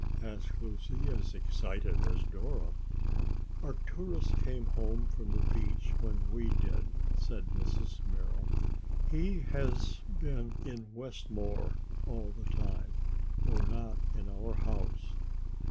asked Lucy, as excited as Dora. "Arcturus came home from the beach when we did," said Mrs. Merrill. "He has been in Westmore all the time, though not in our house."